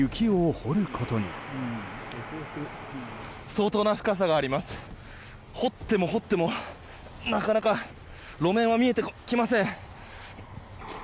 掘っても掘っても、なかなか路面は見えてきません。